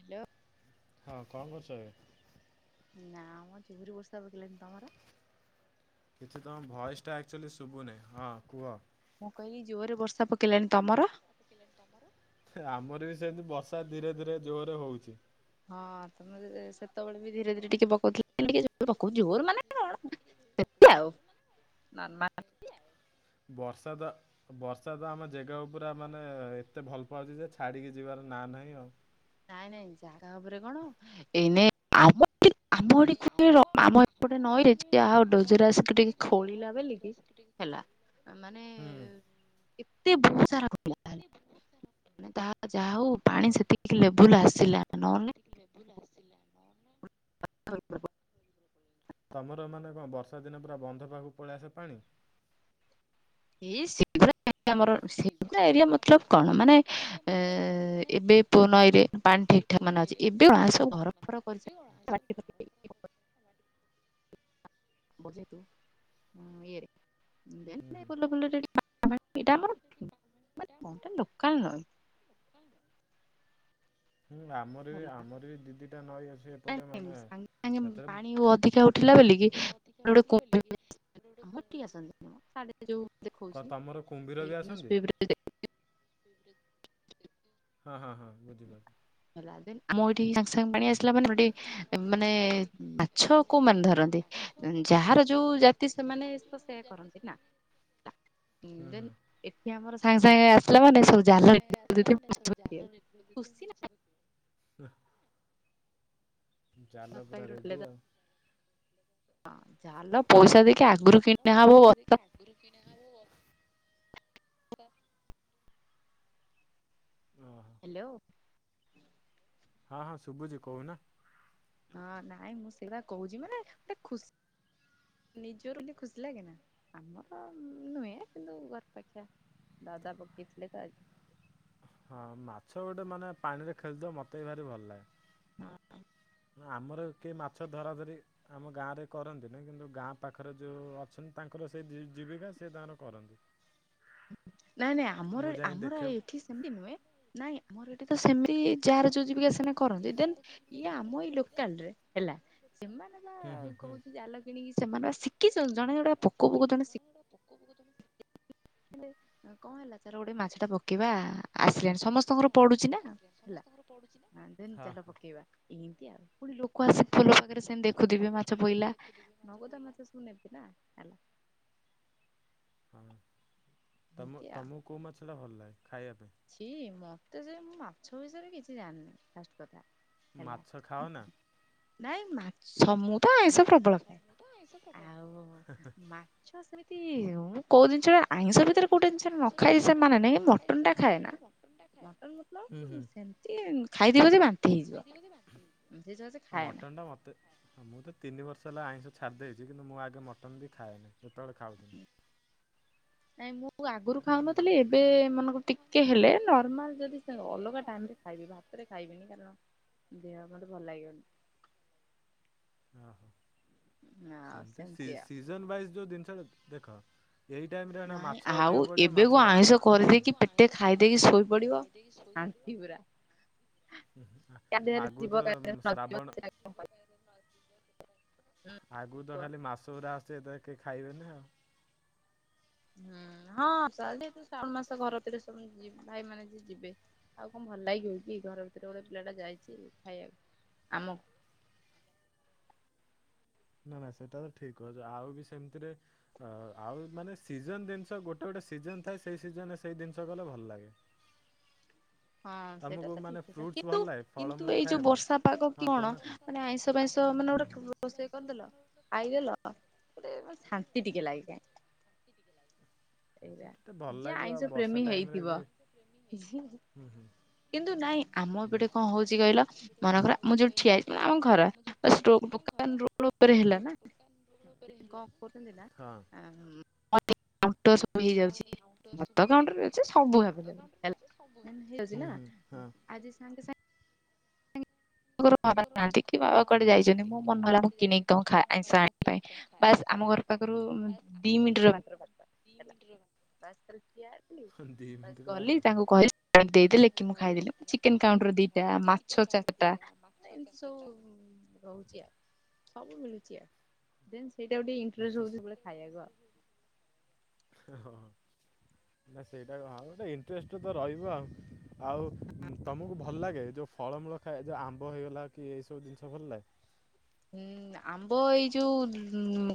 Hello. ହଁ କଣ କରୁଛ ଏବେ? ନା ଆମର ଜୋରେ ବର୍ଷା ପକିଲଣି ତମର? କିଛି ତୁମ ଭଏସ୍ଟା ଆକ୍ଚୁଆଲି ଶୁଭୁନହିଁ ହଁ କୁହ? ମୁଁ କହିଲି ଜୋରେ ବର୍ଷା ପକେଇଲାଣି, ତମର? ଆମର ବି ସେମିତି ବର୍ଷା ଧୀରେ ଧୀରେ ଜୋରେ ହଉଛି। ହଁ ତମେ ସେତେବେଳେ ବି ଧୀରେ ଧୀରେ ଟିକେ ପକଉଥିଲେ ଟିକେ ଜୋରେ ପକଉଛି, ଜୋରେ ମାନେ। [unintelligible] ବର୍ଷା ଦ ବର୍ଷା ତ ଆମ ଯେଗା ପୁରା ମାନେ ଏତେ ଭଲ ପାଉଛି ଯେ ଛାଡ଼ିକି ଯିବାର ନାଁ ନାହିଁ ଆଉ। ନାଇଁ ନାଇଁ ଜାଗା ଉପରେ କଣ ଏଇନେ। [unintelligible] ଆମ ଏଠୀ ଆମ ଏପଟେ ନଇରେ ଯାହା ହଉ ଡୋଜର ଆସିକି ଟିକେ ଖୋଳିଲା ବୋଲିକି ହେଲା ମାନେ ଏତେ ବହୁତ ସାରାଲା ମାନେ ତାହା ଯାହା ହଉ ପାଣି ସେତିକି ଲେବୁଲ ଆସିଲା ନହେଲେ ବୁଲ ଆସିଲ। [unintelligible] ତୁମର ମାନେ କଣ ବର୍ଷା ଦିନ ପୁରା ବନ୍ଧ ପାଖକୁ ପଳେଇ ଆସେ ପାଣି? ଏଇ [unintelligible] ଆମର। ସେଟା ଏରିଆ ମତଲବ କଣ ମାନେ ଏ ଏବେ ପୁଅନ ଏରେ ପାଣି ଠିକ୍ ଠାକ୍ ମାନେ ଅଛି, ଏବେ ମାଂସ ଘର ଫର କରି। [unintelligible] [unintelligible] ଏଟା ଆମର ଲୋକଲ ନଇ। [unintelligible] ହୁଁ ଆମର ବି ଆମର ବି ଦିଦିଟା ନଈ ଅଛି ଏପଟେ ମାନେ ସେଥିରେ ମୁ ଅଧିକା ଉଠିଲା ବୋଲିକି। ଅଧିକ ଉଠିଲା ବୋଲିକି କର ତମର କୁମ୍ଭୀର ବି ଆସନ୍ତି? [inaudible] ହଁ ହଁ ହଁ ପାରିଲି। ହେଲାଦେ ଆମ ଏଠି ସାଙ୍ଗେ ସାଙ୍ଗେ ପାଣି ଆସିଲା ମାନେ ଗୋଠି ମାନେ ମାଛ କୋଉ ମାନେ ଧରନ୍ତି? ଯାହାର ଯୋଉ ଜାତି ସେମାନେ ତ ସେୟା କରନ୍ତି ନା? ଏଠି ଆମର ସାଙ୍ଗେ ସାଙ୍ଗେ ଆସିଲା ମାନେ ସ ସାଙ୍ଗ ସାଙ୍ଗ ଆସିଲ ମାନେ ସବୁ ଜାଲ ଭଟ ଦେ ସ, ହେ ଜାଲ ପୁରା ରେଡି ଆଉ। ହଁ ଜାଲ ପଇସା ଦେଇକି ଆଗରୁ ନା ପଇସା ଦେଇକି ଆଗରୁ କିଣାହବ କ ଓ ହୋ। ହ୍ୟାଲୋ। ହଁ ହଁ ସୁବୁଚି କହୁ ନା ହଁ ନାଇଁ ମୁଁ ସେଇଟା କହୁଛି ମାନେ ଗୋଟେ ଖୁସି ନିଜର ବୋଲି ଖୁସି ଲାଗେ ନା ଆମର ନୁହେଁ କିନ୍ତୁ ଘର୍ ପାଖେ ଛା ଦାଦା ପକେଇ ଥିଲେ ତ ଆ ହଁ ମାଛ ଗୋଟେ ମାନେ ପାଣିରେ ଖେଳୁଥିବ ମତେ ବି ଭାରି ଭଲ ଲାଗେ। ହଁ। ନା ଆମର କେହି ମାଛ ଧରା ଧରି ଆମ ଗାଁରେ କରନ୍ତି ନାହିଁ କିନ୍ତୁ ଗାଁ ପାଖରେ ଯେଉଁ ଅଛନ୍ତି ତାଙ୍କର ସେ ଜୀବିକା ସେ ତାଙ୍କର କରନ୍ତି। ନାଇଁ ନାଇଁ ଆମର ଆମର ଏଠି ସେମତି ନୁହେଁ ନାଇଁ ମୋର ଏଠି ତ ସେମିତି ଯା ଯୋଉ ଜୀବିକା ସେ କରନ୍ତି ଦେ ଇଏ ଆମ ଏଇ ଲୋକାଲ ରେ ହେଲା ସେମାନେ ବା କହୁଛି ଜାଲ କିଣିକି ସେମାନେ ବା ଶ କିଛନ୍ତି ଜ ଶିଖିଛ, ଜଣ ପୋକଫୋକ ତମେ କଣ ହେଲା? ତାର ଗୋଟେ ମାଛ ଟା ପକେଇବା ଆସିଲେଣି ସମସ୍ତଙ୍କର ପଡୁଛି ନା ହେଲା ଦେନ ଚାଲ ପକେଇବା। ଏମିତି ଆଉ ପୁଣି ଲୋକ ଆସେ ଫୁଲ ପାଖରେ ସେ ଦେଖୁଥିବେ ମାଛ ପଇଲା ନଗତ ମାଛ ସବୁ ନେବି ନା ହେଲା ହଁ ତମ ତମକୁ କୋଉ ମାଛ ଟା ଭଲ ଲାଗେ ଖାଇବା ପାଇଁ? ଛି ମତେ ସେଇ ମ ମାଛ ବିଷୟରେ କିଛି ଜାଣିନି ଫାର୍ଷ୍ଟ କଥା ହେଲା ନାଇଁ ମା ସମୁ ତ ଆଇଁଷ ପ୍ରବଳ ପାଏ ଆଉ ମା ଛ ସେମିତି କୋଉ ଜିନିଷ ଆଇଁଷ ଭିତରେ କୋଉଟା ଜିନିଷ ନଖାଇି ମାନେ ନାହିଁ ମଟନ୍ ଟା ଖାଏ ନା ମଟନ୍ ଫଟନ୍ ସେମତି ଖାଇଦେବି ଯେ ବାନ୍ତି ହେଇଯିବ। ମଟନ୍ ତ ମତେ ହଁ ମୁଁ ତ ତିନି ବର୍ଷ ହେଲା ଆଇଁଷ ଛାଡ଼ିଦେଇଛି କିନ୍ତୁ ମୁଁ ଆଗେ ମଟନ୍ ବି ଖାଏନି ଯେତେବେଳେ ଖାଉଥିଲି, ନାଇଁ ମୁଁ ଆଗରୁ ଖାଉନଥିଲି ଏବେ ମନେକର ଟିକେ ହେଲେ ନର୍ମାଲ ଯଦି ଅଲଗା ଟାଇରେ ଖାଇବି ଭାତରେ ଖାଇବିନି କାରଣ ଦେହ ମତେ ଭଲ ଲାଗିବନି। ଓ ହୋ ସେମିତି ସିଜନ ୱାଇଜ ଯୋଉ ଜିନିଷଟା ଦେଖ ଏଇ ଟାଇମରେ ନା ମାଛ ଅଧିକ ପଡିବ ମାଛ ଟା, ଏବେ ମୁଁ ଆଇଁଷ କରିଦେଇକି ପେଟେ ଖାଇ ଦେଇ ଶୋଇପଡ଼ିବ ଆଗରୁ ତ ଶ୍ରାବଣ [unintelligible] ଆଗକୁ ତ ଖାଲି ମାସ ଗୁଡା ଆସୁଛି ଏ କେହି ଖାଇବେନି ଆଉ, ହୁଁ ଚାଲିଛି ତ ଶ୍ରାବଣ ମାସ ଘର ଭିତରେ ଭାଇ ମାନେ ଯୋଉ ଯିବେ ଆଉ କଣ ଭଲ ଲାଗିବକି କି ଘର ଭିତରେ ଗୋଟେ ପିଲା ଟା ଯାଇଛି ଖାଇବାକୁ ଆମ ନା ନା ସେଇଟା ତ ଠିକ ଅଛି ଆଉ ବି ସେମିତିରେ ଆଉ ମାନେ ସିଜନ ଜିନିଷ ଗୋଟେ ଗୋଟେ ସିଜନ୍ ଥାଏ ସେଇ ସିଜନରେ ସେଇ ଜିନିଷ ଗଲେ ଭଲ ଲାଗେ। ହଁ ସେଇଟା ତ ଠିକ କଥା କିନ୍ତୁ କିନ୍ତୁ ଏଇ ଯୋଉ ବର୍ଷା ପାଗ କି କଣ ମାନେ ଆଇଁସ ଆଇସ ପାଇଶ ମାନେ ଗୋଟେ ରୋଷେଇ କରିଦେଲ ଖାଇଦେଲ ଆ ହା ଶାନ୍ତି ଟିକେ ଲାଗେ କାଁ ଥ [inaudible] ଏ ଭଲ ଲାଗିବ ଆଉ ବର୍ଷା ଟାଇମ ରେ ବି ହୁଁ ହୁଁ। କିନ୍ତୁ ନାଇ ଆମ ଏ ପଟେ କଣ ହଉଛି କହିଲ, ମନେକର ମୁଁ ଯୋଉ ଠିଆ ହେଇଛି ନା ଆମ ଘର ଷ୍ଟୋକ ରୋଡ଼ ଉପରେ ହେଲା ନା କଣ କରୁଛନ୍ତି ନା? ସବୁ ହେଇଯାଉଛି ମତଣ୍ଟରେ ଅ ସବୁ ଭ ହୋଉ ନା ହଁ ଆଜି ସାଙ୍ଗ ଆମ ଘର ବାବା ନାହାନ୍ତି କି ବାବା କଆଡେ ଯାଇଛନ୍ତି ମୋ ମନେହଲା ମୁଁ କିଣିକି କଣ ଖ ଆଇିଷ ଆଣ ପାଇଁ ବାସ୍ ଆମ ଘର ପାଖରୁ ଦି ମିନିଟରେ ମ୍ର ଦି ମିଟର ଗଲି ତାଙ୍କୁ କହିଲି ଦେଇଦଲେ କି ମୁଁ ଖାଇଦଲି ଚିକେନ୍ କାଉଣ୍ଟର ଦିଟା କେନ୍ କାଉଣ୍ଟ୍ର ଦି ମ ସବୁ ରହୁଛି ଆ ସବୁ ମିଳୁଛି ଆ ଦେ ସେଇଟା ଗ ଟେ ଇଟଷ୍ଟ ହଉଛି ପଟ ଖାଇବାକୁ ହ ନା ସେଇଟା ଆଉ ଗୋଟେ ଇଣ୍ଟରେଷ୍ଟ ତ ରହିବ ଆଉ ଆଉ ତମକୁ ଭଲ ଲାଗେ ଯୋଉ ଫଳମୂଳ ଖାଏ ଯୋଉ ଆମ୍ବ ହେଇଗଲା କି ଏଇ ସବୁ ଜିନିଷ ଭଲ ଲାଗେ ହୁଁ ଆମ୍ବ ଏଇ ଯୋଉ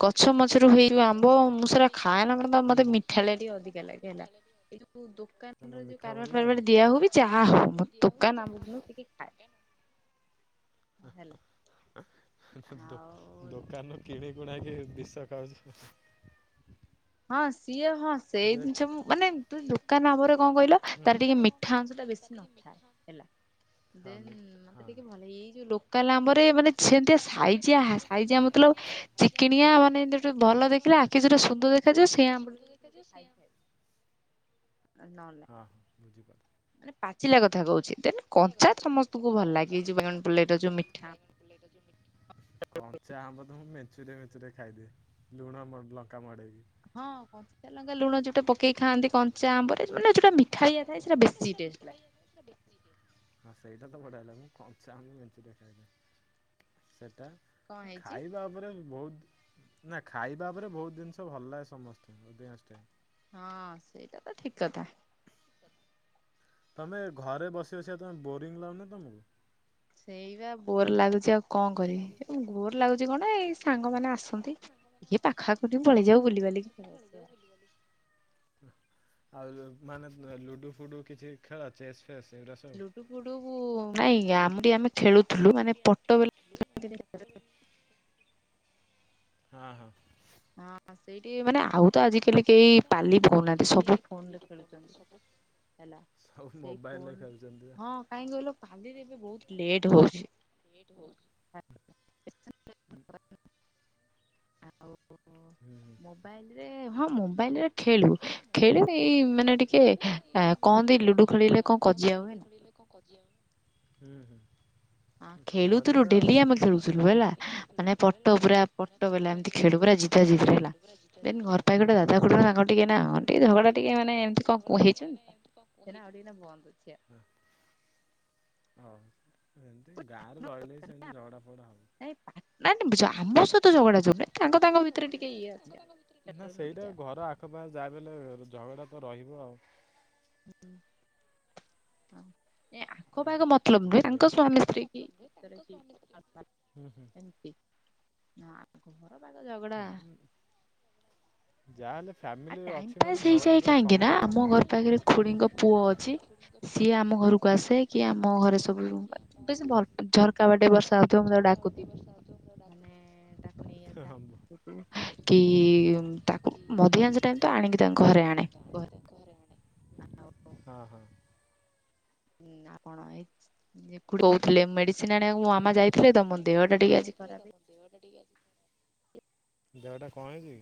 ମାଛ ମଛରୁ ହେଇଯିବ ଆମ୍ବ ମୁଁ ସେଟା ଖା ହେଲାନ୍ତା ଆ ମତେ ମିଠାଳି ଟେ ଅଧିକ ଲାଗେ ହେଲା ଏଇ ଯୋଉ ଦୋକାନ ର ଯୋଉ କାରବାର ଫାରବାର ଦିଆ ହଉବି ଯହା ହଉ ଦାନ ଆମ ଖାଏ ହ ହ ହ ଦୋକାନରୁ କିଣିକଣାକ ବିଷ ଖାଉଛ ହଁ ସିଏ ହଁ ସେଇ ଜିନିଷ ମୁଁ ମାନେ ତୁ ଦୋକାନ ଆମରେ କଣ କହିଲ ତାର ଟିକେ ମିଠା ଅଂଶ ଟା ବେଶୀ ନଥାଏ ହେଲା ଦେ ମତେ ଟିକେ ଭଲଇ ଏଇ ଯୋଉ ଲୋକାଲ ଆବରେ ମାନେ ସେମିତିଆ ସାଇଜିଆ ସାଇଜିଆ ମତଲବ ଚିକିଣିଆ ମାନେତିେ ଭଲ ଦେଖିଲା ଆଖି ଯୋଟେ ଶ ସୁଦ୍ଧ ଦେଖାଯାଉ କିଛିଟା ଶଧ ଦେଖା ଦିଅ ସେଆ ହ ହ ବୁଝିପାରୁ ପାଚିଲା କଥା କହୁଛି ଦେ କଞ୍ଚା ସମସ୍ତଙ୍କୁ ଭଲ ଲାଗେ ଯୋଉ ବ ଯୋଉ ମିଠା କଞ୍ଚା ଆମ୍ବ ତ ମେ ୁରି ମିଚୁରେ ଖାଇଦିଏ ଲୁଣ ଲଙ୍କା ମଡ଼େଇକି ହଁ କଞ୍ଚିତା ଲଙ୍କା ଲୁଣ ଯୋଉଟେ ପକେଇ ଖାଆନ୍ତି କ ଉଟ ପକେଇ ଖାନ୍ତି କଂସ ଆମ୍ର ମାନେ ସେଉଟା ମିଠା ସୋ ହଁ ସେଇଟା ତ ବଢିଆ ହେଲା ମୁଁ କଞ୍ଚମ ବେଞ୍ଚରେ ଖାଇବ ସେଟା ଖାଇବା ବହୁତ ନା ଖାଇବା ପରେ ବହୁତ ଜିନିଷ ଭଲ ଲାଗେ ସମସ୍ତେ ଅଧିକାଂଶ ଟ ହଁ ସେଇଟା ତ ଠିକ କଥା ତମେ ଘରେ ବସି ବସିକା ତମେ ବୋରିଙ୍ଗ ଲାଗୁନି ତମକୁ? ସେଇ ବା ବୋର ଲାଗୁଛି ଆଉ କଣ କରିବି ବୋର ଲାଗୁଛି କଣ ଏଇ ସାଙ୍ଗମାନେ ଆସନ୍ତି ଏ ପାଖ ଆଖ କୁ ଟିକେ ପଳେଇ ଯାଉ ବୁଲିିବାଲିକି। ଆଉ ଯୋଉ ମାନେ ଲୁଡୁ ଫୁଡୁ କିଛି ଖେଳ ଚେସ୍। ସେ ସେଇରା ସବୁ ଲୁଡୁ ଫୁଡୁ ନାଇଁ ଆମରି ଆମେ ଖେଳୁଥିଲୁ ମାନେ ପଟ ବଲା ହ। ହଁ ହଁ। ହଁ ସେଇଠି ମାନେ ଆଉ ତ ଆଜିିକାଲି ମାନେ ଆଉ ତ ଆଜିିକାଲି କେହି ପାଲି ପକଉନାନ୍ତି ସବୁ ସବୁ ମୋବାଇଲ ରେ ଖେଳୁଛନ୍ତି। ହଁ କାହିଁକି କହିଲ ପାଲିରେ ଏବେ ବହୁତ ଲେଟ୍ ହଉଛି। ଲେଟ ହଉଛି। [inaudible] ଆଉ ମୋବାଇଲରେ ହଁ ମୋବାଇଲରେ ଖେଳୁ ଖେଳିଲେ ଏଇ ମାନେ ଟିକେ କହନ୍ତି ଲୁଡୁ ଖେଳିଲେ କଣ କଜିଆ ହୁଏ। ଖେଳିଲେ କଣ? [unintelligible] ହୁଁ ହୁଁ। ଖେଳୁଥିଲୁ ଡେଲି ଆମେ ଖେଳୁଥିଲୁ ହେଲା ମାନେ ପଟ ପୁରା ପଟ ବଲା ଖେଳୁ ପା ଜିତା ଜିତରେ ହେଲା ଦେନ ଘର ପାଖରେ ଗୋଟେ ଦାଦା ଖୁଡି ଟିକେ ନା ଟିକେ ଝଗଡ଼ା ଟିକେ ମାନେ ଏମିତି କଣ କୋ ହେଇଛନ୍ତି ତ ସେ ଆଉ ଟିକେ ବନ୍ଦ ଅଛି ଆଉ। ହ ଏମିତି ଗାଁରେ ରହିଲେ ବିି ସେମିତି ଝଗଡ଼ା ଫଗଡ଼ା ହବ। ନାଇଁ [inaudible] ଆମ ସହିତ ନା ସେଇଟା ଘର ଆଖପାଖ ଯା ବି ହେଲେ ଝଗଡ଼ା ତ ରହିବ ଆଉ। ଏ ଆଖପାଖ ମତଲବ ନୁହେଁ ତାଙ୍କ ସ୍ୱାମୀ ସ୍ତ୍ରୀ କି ନା ଘର ଝଗଡ଼ା ଯାହା ହେଲେ ଫ୍ୟାମିଲ ଆ ଟାଇମ ପାସ୍ ହେଇଯାଏ କାହିଁକି ନା ଆମ ଘର ପାଖରେ ଖୁଡିଙ୍କ ପୁଅ ଅଛି। ସିଏ ଆମ ଘରକୁ ଆସେ କି ଆମ ଘରେ ସବୁ। [unintelligible] ଝରକା ବାଟେ ବର୍ଷା ହଉଥିବ। [inaudible] କି ତାକୁ ଅଧିକାଂଶ ଟାଇମ୍ ତ ଆଣିକି ତାଙ୍କ ଘରେ ଆଣେ। ହଁ ହଁ। ଆମର ହେ ଖୁଡି କହୁଥିଲେ ମେଡିସିନ ଆଣିବାକୁ ମୋ ମାମା ଯାଇଥିଲେ ତ ମୋ ଦେହ ଟା ଟିକେ ଆଜି ଖରାପ ଦେହଟା କଣ ହେଇଛି କି?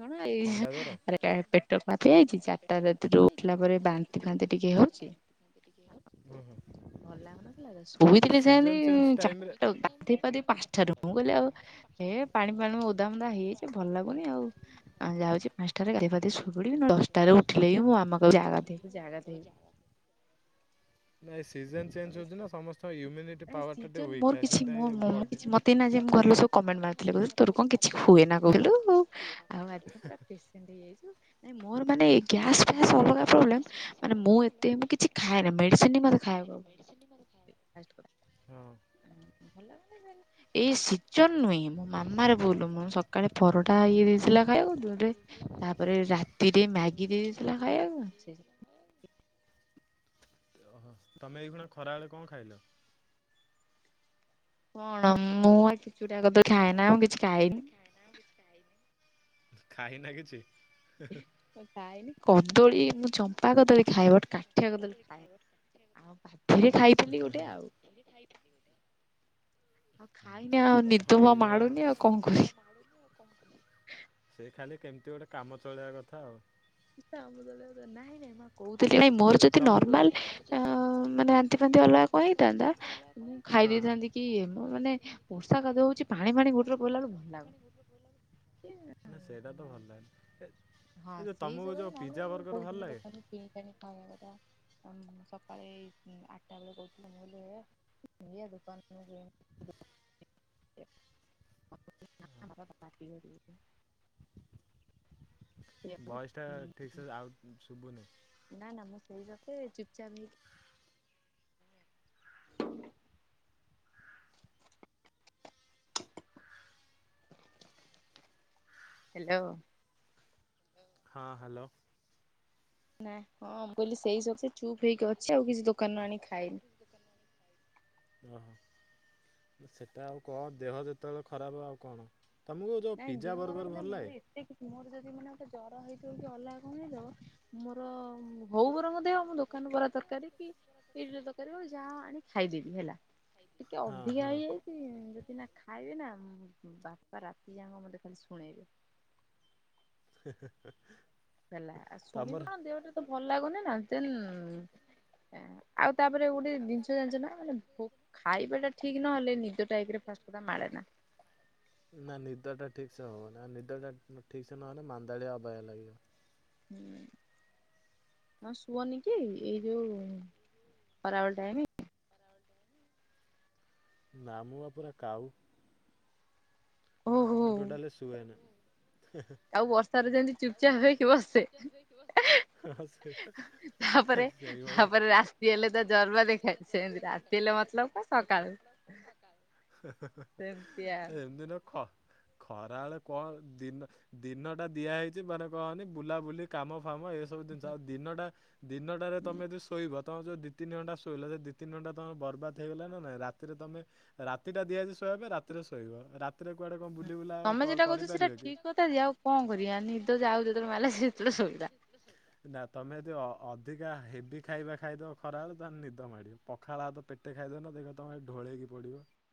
କଣ ଏଇ ପେଟ ଫାଟି ଯାଇଛି ଚାରିଟା ରାତିରୁ ଉଠିଲା ପରେ ବା ବାନ୍ତି ଫାନ୍ତି ଟିକେ ହଉଛି। [inaudible] ଥିଲେ ସେମତି ଚା ତାଉ ଗାଧେଇ ପାଧେଇ ପାଞ୍ଚଟାରୁ ମୁଁ କହିଲ ଆଉ ହେ ପାଣି ପାଣି ଓଦାମଦା ହେଇଯାଇଛି ଭଲ ଲାଗୁନି ଆଉ ଯାଉଛି ପାଞ୍ଚଟାରେ ଗାଧେଇ ପା ଏ ଶୋଇପଡ଼ିବି ନହେଲେ ଦଶଟାରେ ଉଠିଲେ ବିି ମୋ ମାମା କହିବ ଯା ଗାଧେଇବୁ ଯା ଗାଧେଇବୁ। ନାଇଁ ସିଜନ ଚେଞ୍ଜ ହଉଛି ନା ସମସ୍ତଙ୍କ ୟୁମିିନଟ୍ ପାୱାର ଟା ଟିକେ ୱିକ ଥାଏ ସେଟା ବଡି ନଥିଲେ ତୋର କଣ କିଛି ହୁଏ ନା ହେ ମୋର ମାନେ ଗ୍ୟାସ ଫାସ ଅଲଗା ପ୍ରବ୍ଲେମ ମାନେ ମୁଁ ଏତେ ମୁଁ କିଛି ମ ମୁଁ ଏତେଁ କିଛି ଖାଏନି ମେଡିସିନ ବି ମତେ ଖାଏନା। ହ। ଏଇ ଶୀତ ନୁହଁ ମାମାର ବୁଲୁ ମୁ ସକାଳେ ପରଟା ଇଏ ଦେଇଥିଲା ଖାଇବାକୁ ଦୁେ ତାପରେ ରାତିରେ ମ୍ୟାଗି ଦେଇ ଦେଇେଇଥିଲା ଖାଇବାକୁ ସେ ହୋ ତମେ ଏଇ ଖଣା ଖରାବେେଳେ କଣ ଖାଇଲ? କଣ ମୁଁ ଆଉ କିଛି ଗଟା କଦ ଖାଏ ନା ମୁଁ କିଛି ଖାଏନି। ଖାଇନା କିଛି। ଯାଇନି କଦଳୀ ମୁଁ ଚମ୍ପ କଦଳୀ ଚକା କଦଳୀ ଖାଇବ। ହଁ ହଁ। ହୁଁ ଆ କ ହେଇଗ ସେ ଖାଲି କେମିତି ଗୋଟେ କାମ ଚଳେଇବା କଥା ଆଉ। ନାଇଁ ନାଇଁ କହୁଥିଲି ନାଇଁ ମୋର ଯଦି ନର୍ମାଲ ମାନେ ବାନ୍ତି ଫାନ୍ତି ଅଲଗା କଣ ହେଇଥାନ୍ତା ମୁ ଖାଇ ଦେଇେଇଥାନ୍ତି କି ଖାଇ ଦେଇେଇଥାନ୍ତି କି ମାନେ ତାଙ୍କୁ ଦଉଛି ପାଣି ଫାଣି ଗୁରୁରେ ପିଲ ମାନ ସେଇଟା ତ ଭଲ ଲାଗନ ହଁ ସେଇ ଜାଗା ତ ମାନିଲନି କୋହୁଥିଲି ଦୋକାନରେ କିିକଣି ଖାଇବା କଥା!। ସକାଳେ ଆଠଟା ବେଳେ କହୁଥିଲ ମୁଁ କହିଲିଇ ଦୋକାନ [unintelligible] ବୟସ ଟା ଠିକ ସେ ଆଉ ଶୁଭୁନି। ନା ନା ମୁଁ ସେଇ ସତେ ଚୁପଚାପ ହେ ହ୍ୟାଲୋ ହଁ ହ୍ୟାଲୋ ନାଇଁ ହଁ କହିଲି ସେଇ ସବ ଚୁପ୍ ହେଇକି ଅଛି ଆଉ କିଛି ଦୋକାନରୁ ଆଣି ଖାଇନି ହ ହୋ ସେଇଟା ଆଉ କଣ ଦେହ ଯେତେବେଳେ ଖରାପ ଆଉ କଣ ତୁମକୁ ଯେଉଁ ପିଜା ବର୍ଗର ଭଲ ଲାଗେ ମୋର ଯଦି ମାନେ ଗୋଟେ ଜର ହେଇଯିବ ଅଲଗା କଣ ହେଇଯିବ ମୋର ହୋଉବର ମେ ସେମ ଦୋକାନ ପରା ତରକାରୀ କି ଏଇ ତରକାରୀଉ ଯାହା ଆଣି ଖାଇଦେବି ହେଲା ଟିକେ ଅଧିକା ହେଇଯାଇଛି ଯଦି ନା ଖାଇବେ ନା ବାପାର ପଏା ମତେ ଖାଲି ଶୁଣେଇବେ ହ ହେଲା ଆ ଶୁଣିବ ଦେହଟା ତ ଭଲ ଲାଗୁନି ନା ଦେନ୍ ଆଉ ତାପରେ ଗୋଟେ ଜିନିଷ ଜାଣିଷ ନା ମାନେ ଖାଇବା ଟା ଠିକ ନହଲେ ନିଜ ଟାଇପରେ ଫା ମାାରେେ ନା ନା ନିଦ ଟା ଠିକ୍ ସେ ହବନି ଆଉ ନିଦ ଟା ଠିକ୍ ସେ ନହେଲେ ମାନ୍ଦାଳିଆ ଅବହେ ଲାଗିବ ହୁଁ ହଁ ଶୁଅନି କି ଏଇ ଯୋଉ ଖରାବେଳ ଟାଇମ ନାମୁଆ ପରା କାଉ ମଟଟାଲେ ଶୁଆ ନା ଆଉ ବର୍ଷାର ଦିନ ଚିକଚାକ ବସଛ ସଇ ଖବର ରାସ୍ ବିି ହେଲେ ତ ଜର ଖଛ ଏମତିିନ ଖ ଖରାବେେଳେ କଣ ଦିନ ଦିନ ଟା ଦିଆହେଇଛି ମାନେ କହନି ବୁଲାବୁଲି କାମ ଫାମ ଏସବୁ ଜିନିଷ ଆଉ ଦିନଟା ଦିନଟାରେ ତମେ ଯି ଶୋଇବ ତମ ଯେଉଁ ଦୁଇ ତିନି ଘଣ୍ା ଶୋଇଲା ସେ ଦୁଇ ତିିଣ୍ଟା ତମ ବବାଦ ହେଇଗଲା ନାହି ରାତିରେ ତମେ ରାତିଟା ଦିଆଯ ଶୋଇଆବେ ରାତିରେ ଶୋଇବ ରାତିରେ କୁଆଡେ କଣ ବୁଲ ତମେ ଯେଟା କହୁଛ ସେଟା ଠିକ କଥା ଦିଆ ଆଉ କଣ କରିବା ନିଦ ଯ ଆଉ ଯେତେଳେ ମିଲେ ସେତେବେଳେ ଶୋଇା ନା ତମେ ଯଦି ଅଧିକା ହେଭି ଖାଇବା ଖାଇଦବ ଖରା ତାହେଲେ ନିଦ ମାଡ଼ିବ ପଖାଳ ଆଉ ତ ପେଟେ ଖାଇଦେବେ ନା ଦେଖ ତୁମେ ଢଳେଇକି ପଡ଼ିବ